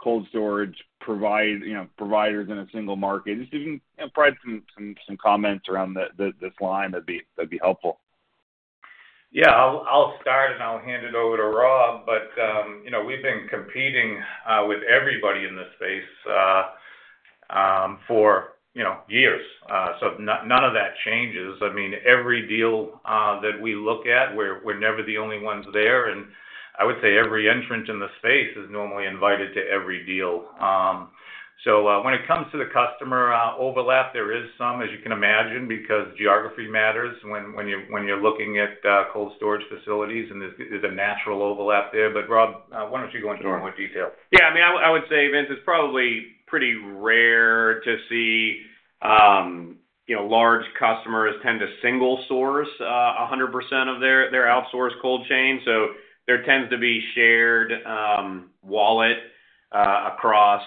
cold storage providers in a single market? Just if you can provide some comments around this line, that'd be helpful. Yeah, I'll, I'll start, and I'll hand it over to Rob. But you know, we've been competing with everybody in this space for, you know, years. So none of that changes. I mean, every deal that we look at, we're, we're never the only ones there, and I would say every entrant in the space is normally invited to every deal. So, when it comes to the customer overlap, there is some, as you can imagine, because geography matters when, when you're, when you're looking at cold storage facilities, and there's, there's a natural overlap there. But Rob, why don't you go into more detail? Yeah, I mean, I, I would say, Vince, it's probably pretty rare to see, you know, large customers tend to single source 100% of their, their outsourced cold chain. So there tends to be shared wallet across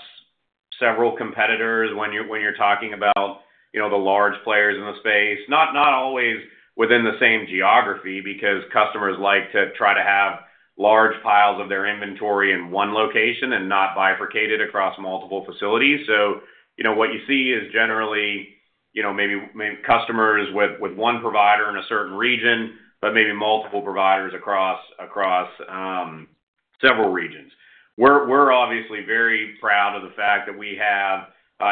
several competitors when you're talking about, you know, the large players in the space. Not always within the same geography, because customers like to try to have large piles of their inventory in one location and not bifurcated across multiple facilities. So, you know, what you see is generally, you know, maybe customers with one provider in a certain region, but maybe multiple providers across several regions. We're obviously very proud of the fact that we have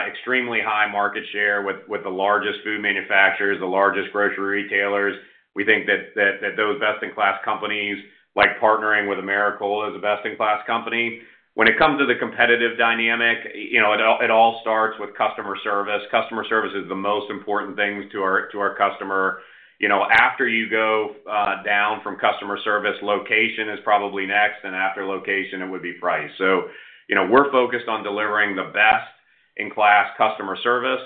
extremely high market share with the largest food manufacturers, the largest grocery retailers. We think that those best-in-class companies like partnering with Americold as a best-in-class company. When it comes to the competitive dynamic, you know, it all starts with customer service. Customer service is the most important thing to our customer. You know, after you go down from customer service, location is probably next, and after location, it would be price. So, you know, we're focused on delivering the best in class customer service,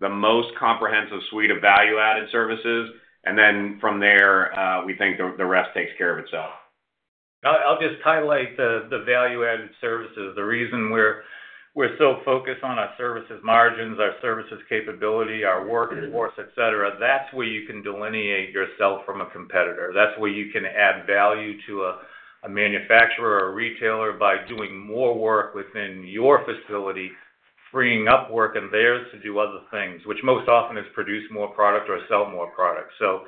the most comprehensive suite of value-added services, and then from there, we think the rest takes care of itself. I'll just highlight the value-added services. The reason we're so focused on our services margins, our services capability, our work force, et cetera, that's where you can delineate yourself from a competitor. That's where you can add value to a manufacturer or a retailer by doing more work within your facility, freeing up work and theirs to do other things, which most often is produce more product or sell more product. So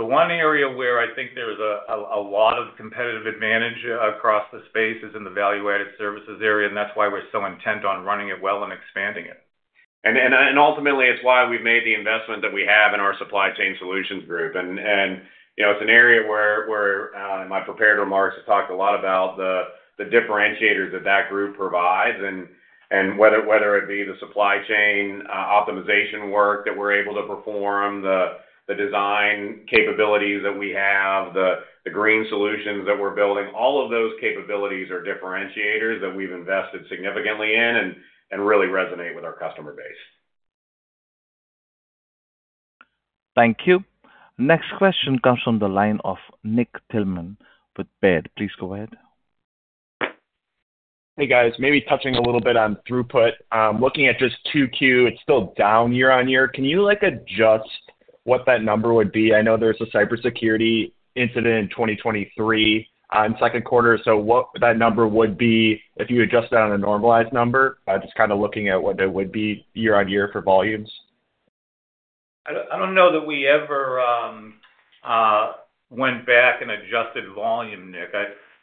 the one area where I think there's a lot of competitive advantage across the space is in the value-added services area, and that's why we're so intent on running it well and expanding it. Ultimately, it's why we've made the investment that we have in our Supply Chain Solutions group. And, you know, it's an area where, in my prepared remarks, I talked a lot about the differentiators that that group provides, and whether it be the supply chain optimization work that we're able to perform, the design capabilities that we have, the green solutions that we're building, all of those capabilities are differentiators that we've invested significantly in and really resonate with our customer base. Thank you. Next question comes from the line of Nick Thillman with Baird. Please go ahead. Hey, guys. Maybe touching a little bit on throughput. Looking at just 2Q, it's still down year-on-year. Can you, like, adjust what that number would be? I know there's a cybersecurity incident in 2023, second quarter. So what that number would be if you adjust that on a normalized number, just kind of looking at what that would be year-on-year for volumes. I don't know that we ever went back and adjusted volume, Nick.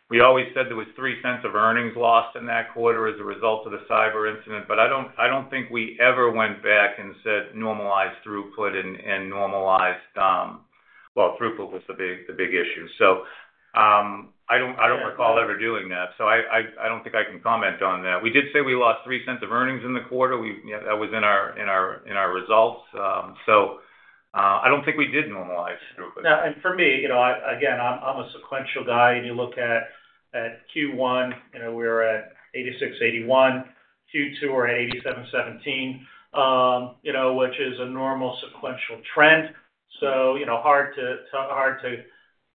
We always said there was $0.03 of earnings lost in that quarter as a result of the cyber incident, but I don't think we ever went back and said normalized throughput and normalized... Well, throughput was the big issue. So, I don't recall ever doing that, so I don't think I can comment on that. We did say we lost $0.03 of earnings in the quarter. You know, that was in our results. So, I don't think we did normalize throughput. Yeah, and for me, you know, I-- again, I'm a sequential guy, and you look at Q1, you know, we're at 86.81. Q2, we're at 87.17, which is a normal sequential trend. So, you know, hard to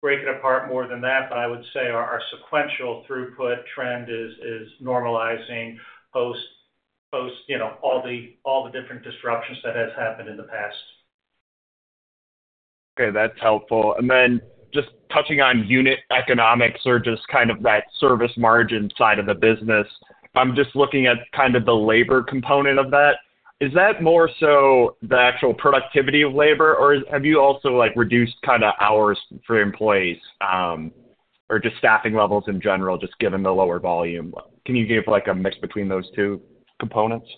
break it apart more than that, but I would say our sequential throughput trend is normalizing post, you know, all the different disruptions that has happened in the past. Okay, that's helpful. And then just touching on unit economics or just kind of that service margin side of the business, I'm just looking at kind of the labor component of that. Is that more so the actual productivity of labor, or have you also, like, reduced kind of hours for employees, or just staffing levels in general, just given the lower volume? Can you give, like, a mix between those two components?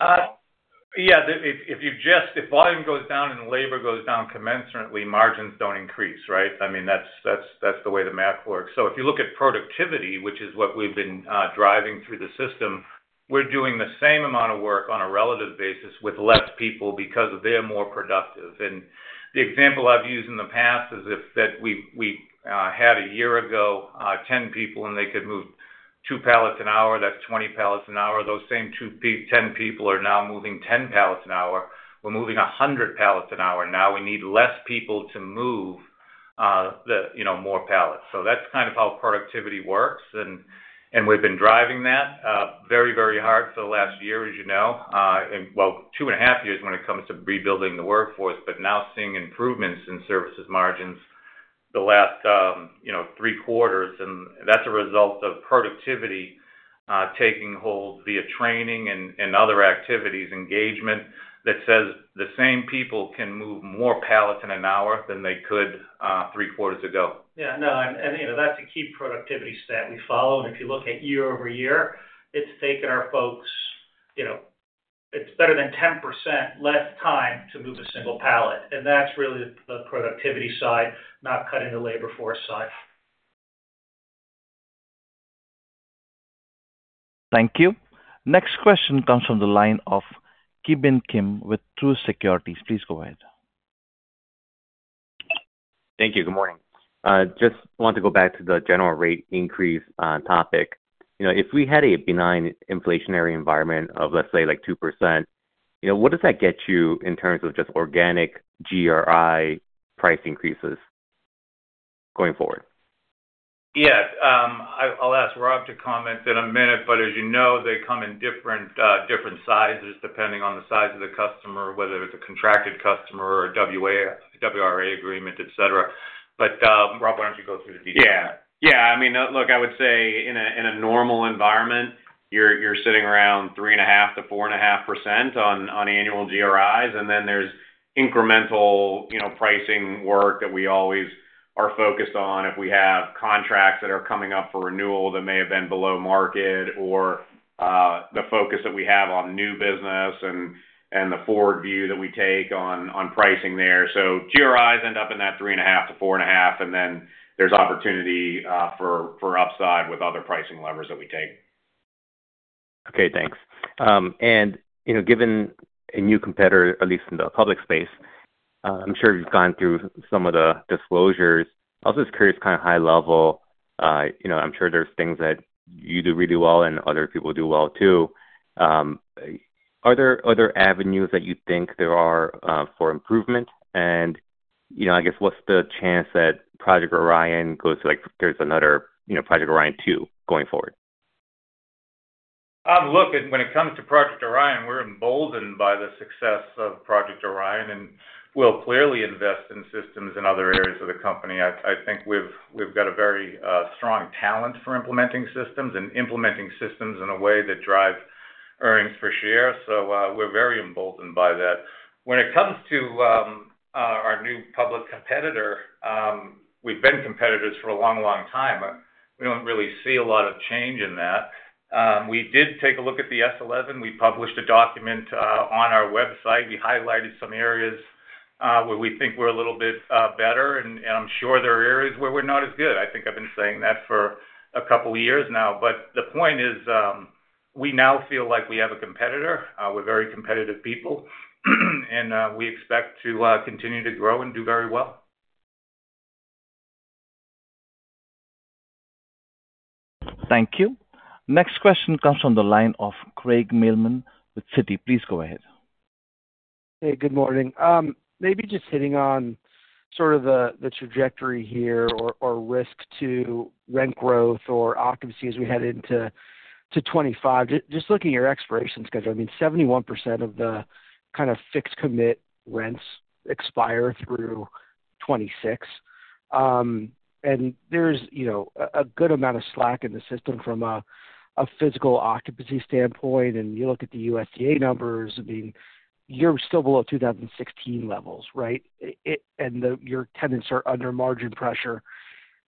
Yeah. If volume goes down and labor goes down, commensurately, margins don't increase, right? I mean, that's the way the math works. So if you look at productivity, which is what we've been driving through the system, we're doing the same amount of work on a relative basis with less people because they're more productive. And the example I've used in the past is if we've had a year ago, 10 people, and they could move 2 pallets an hour, that's 20 pallets an hour. Those same 10 people are now moving 10 pallets an hour. We're moving 100 pallets an hour. Now, we need less people to move the, you know, more pallets. So that's kind of how productivity works, and, and we've been driving that, very, very hard for the last year, as you know, and well, 2.5 years when it comes to rebuilding the workforce, but now seeing improvements in services margins the last, you know, 3 quarters, and that's a result of productivity, taking hold via training and, and other activities, engagement, that says the same people can move more pallets in an hour than they could, 3 quarters ago. Yeah. No, and, and, you know, that's a key productivity stat we follow, and if you look at year-over-year, it's taken our folks, you know, it's better than 10% less time to move a single pallet, and that's really the productivity side, not cutting the labor force side. Thank you. Next question comes from the line of Ki Bin Kim with Truist Securities. Please go ahead. Thank you. Good morning. Just want to go back to the general rate increase topic. You know, if we had a benign inflationary environment of, let's say, like 2%, you know, what does that get you in terms of just organic GRI price increases going forward? Yeah, I'll ask Rob to comment in a minute, but as you know, they come in different sizes, depending on the size of the customer, whether it's a contracted customer or a WSA agreement, etc. But- Rob, why don't you go through the details? Yeah. Yeah, I mean, look, I would say in a normal environment, you're sitting around 3.5%-4.5% on annual GRIs, and then there's incremental, you know, pricing work that we always are focused on. If we have contracts that are coming up for renewal that may have been below market or the focus that we have on new business and the forward view that we take on pricing there. So GRIs end up in that 3.5%-4.5%, and then there's opportunity for upside with other pricing levers that we take. Okay, thanks. And, you know, given a new competitor, at least in the public space... I'm sure you've gone through some of the disclosures. I was just curious, kind of high level, you know, I'm sure there's things that you do really well and other people do well, too. Are there other avenues that you think there are, for improvement? And, you know, I guess, what's the chance that Project Orion goes to, like, there's another, you know, Project Orion Two going forward? Look, when it comes to Project Orion, we're emboldened by the success of Project Orion, and we'll clearly invest in systems in other areas of the company. I think we've got a very strong talent for implementing systems and implementing systems in a way that drives earnings per share. So, we're very emboldened by that. When it comes to our new public competitor, we've been competitors for a long, long time. We don't really see a lot of change in that. We did take a look at the S-11. We published a document on our website. We highlighted some areas where we think we're a little bit better, and I'm sure there are areas where we're not as good. I think I've been saying that for a couple of years now. But the point is, we now feel like we have a competitor. We're very competitive people, and we expect to continue to grow and do very well. Thank you. Next question comes from the line of Craig Mailman with Citi. Please go ahead. Hey, good morning. Maybe just hitting on sort of the trajectory here or risk to rent growth or occupancy as we head into 2025. Just looking at your expiration schedule, I mean, 71% of the kind of fixed commit rents expire through 2026. And there's, you know, a good amount of slack in the system from a physical occupancy standpoint. And you look at the USDA numbers, I mean, you're still below 2016 levels, right? And your tenants are under margin pressure.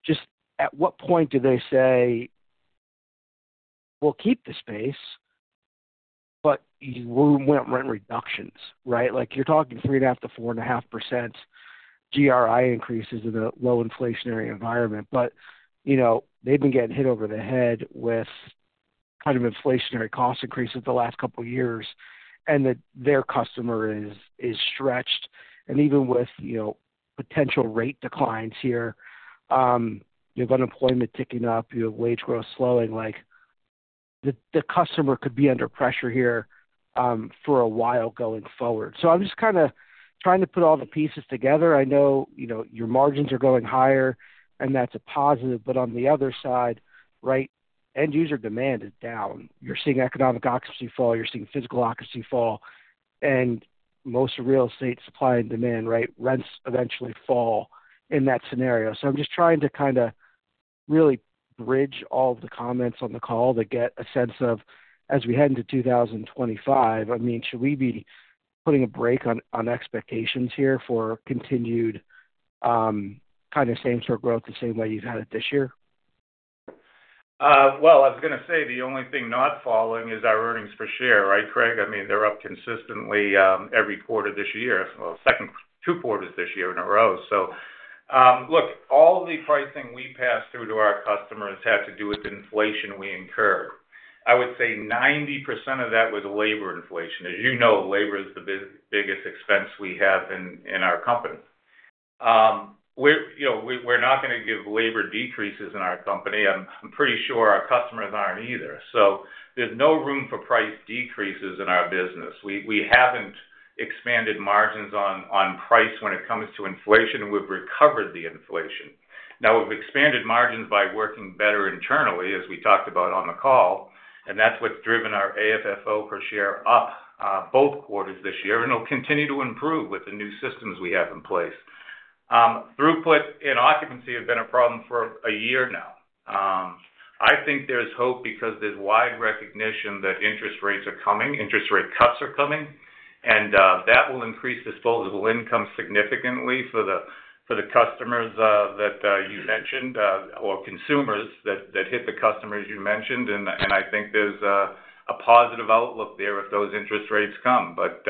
Just at what point do they say, "We'll keep the space, but we want rent reductions," right? Like, you're talking 3.5%-4.5% GRI increases in a low inflationary environment. But, you know, they've been getting hit over the head with kind of inflationary cost increases the last couple of years, and that their customer is, is stretched. And even with, you know, potential rate declines here, you have unemployment ticking up, you have wage growth slowing, like, the, the customer could be under pressure here, for a while going forward. So I'm just kind of trying to put all the pieces together. I know, you know, your margins are going higher, and that's a positive. But on the other side, right, end user demand is down. You're seeing economic occupancy fall, you're seeing physical occupancy fall, and most real estate supply and demand, right, rents eventually fall in that scenario. So I'm just trying to kind of really bridge all the comments on the call to get a sense of, as we head into 2025, I mean, should we be putting a brake on, on expectations here for continued, kind of same sort of growth, the same way you've had it this year? Well, I was gonna say, the only thing not falling is our earnings per share, right, Craig? I mean, they're up consistently every quarter this year. Well, second, two quarters this year in a row. So, look, all the pricing we pass through to our customers has to do with inflation we incur. I would say 90% of that was labor inflation. As you know, labor is the biggest expense we have in our company. We're, you know, we're not gonna give labor decreases in our company. I'm pretty sure our customers aren't either. So there's no room for price decreases in our business. We haven't expanded margins on price when it comes to inflation. We've recovered the inflation. Now, we've expanded margins by working better internally, as we talked about on the call, and that's what's driven our AFFO per share up both quarters this year, and it'll continue to improve with the new systems we have in place. Throughput and occupancy have been a problem for a year now. I think there's hope because there's wide recognition that interest rates are coming. Interest rate cuts are coming, and that will increase disposable income significantly for the customers that you mentioned or consumers that hit the customers you mentioned. And I think there's a positive outlook there if those interest rates come. But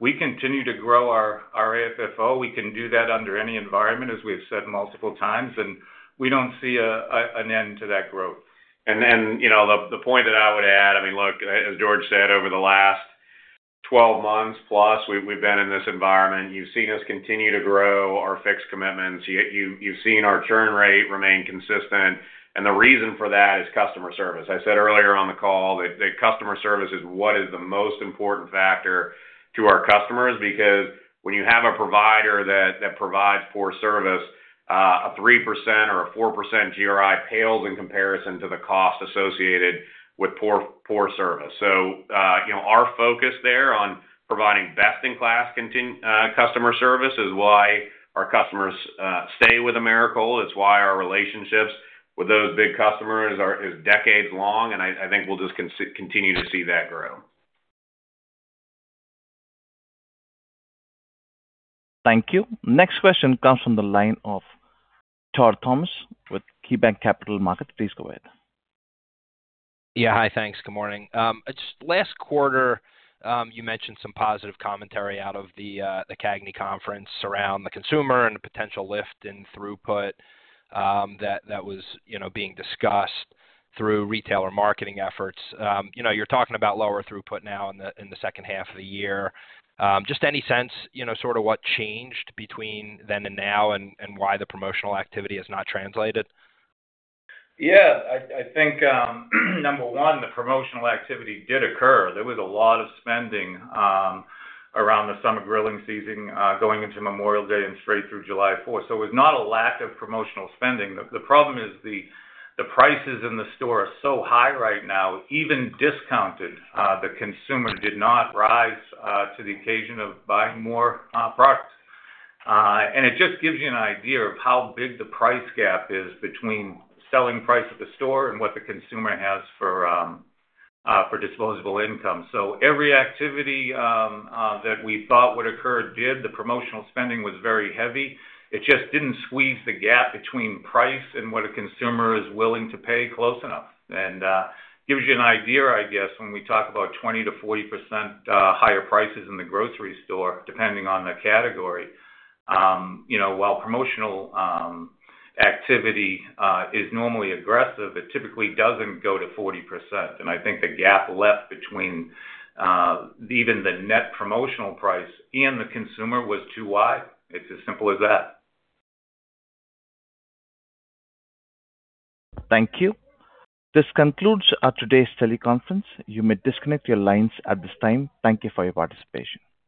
we continue to grow our AFFO. We can do that under any environment, as we've said multiple times, and we don't see an end to that growth. Then, you know, the point that I would add, I mean, look, as George said, over the last 12 months plus, we've been in this environment. You've seen us continue to grow our fixed commitments. You've seen our churn rate remain consistent, and the reason for that is customer service. I said earlier on the call that customer service is what is the most important factor to our customers, because when you have a provider that provides poor service, a 3% or a 4% GRI pales in comparison to the cost associated with poor service. So, you know, our focus there on providing best-in-class customer service is why our customers stay with Americold. It's why our relationships with those big customers are is decades long, and I think we'll just continue to see that grow. Thank you. Next question comes from the line of Todd Thomas with KeyBanc Capital Markets. Please go ahead. Yeah. Hi, thanks. Good morning. Just last quarter, you mentioned some positive commentary out of the, the CAGNY conference around the consumer and the potential lift in throughput, that, that was, you know, being discussed through retailer marketing efforts. You know, you're talking about lower throughput now in the, in the second half of the year. Just any sense, you know, sort of what changed between then and now and, and why the promotional activity has not translated? Yeah, I think, number one, the promotional activity did occur. There was a lot of spending around the summer grilling season, going into Memorial Day and straight through July Fourth. So it was not a lack of promotional spending. The problem is the prices in the store are so high right now, even discounted, the consumer did not rise to the occasion of buying more products. And it just gives you an idea of how big the price gap is between selling price at the store and what the consumer has for disposable income. So every activity that we thought would occur did, the promotional spending was very heavy. It just didn't squeeze the gap between price and what a consumer is willing to pay close enough. And gives you an idea, I guess, when we talk about 20%-40% higher prices in the grocery store, depending on the category. You know, while promotional activity is normally aggressive, it typically doesn't go to 40%. And I think the gap left between even the net promotional price and the consumer was too wide. It's as simple as that. Thank you. This concludes today's teleconference. You may disconnect your lines at this time. Thank you for your participation.